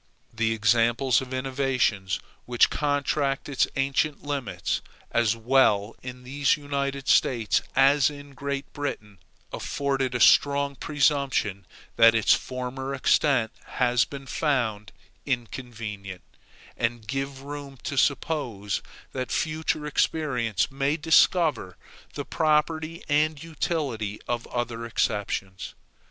The examples of innovations which contract its ancient limits, as well in these States as in Great Britain, afford a strong presumption that its former extent has been found inconvenient, and give room to suppose that future experience may discover the propriety and utility of other exceptions.